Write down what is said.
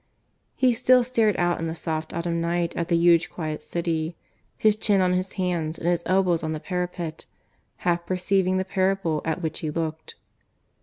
He still stared out in the soft autumn night at the huge quiet city, his chin on his hands and his elbows on the parapet, half perceiving the parable at which he looked.